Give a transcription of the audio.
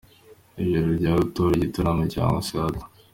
Ijoro rya Rutura igitaramo cya Nkusi Arthur.